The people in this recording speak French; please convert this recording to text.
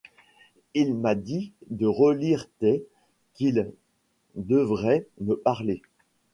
Il m’a dit de relire tes qu’ils devraient me parler.